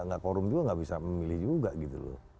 nggak korum juga nggak bisa memilih juga gitu loh